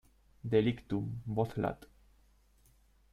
Delictum:Voz lat.